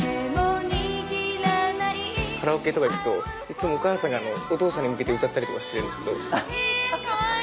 カラオケとか行くといつもお母さんがお父さんに向けて歌ったりとかしてるんですけど。えかわいい！